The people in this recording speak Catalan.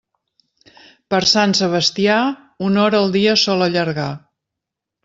Per Sant Sebastià, una hora el dia sol allargar.